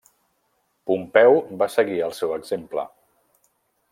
Pompeu va seguir el seu exemple.